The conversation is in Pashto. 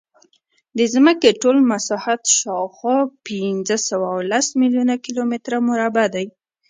د ځمکې ټول مساحت شاوخوا پینځهسوهلس میلیونه کیلومتره مربع دی.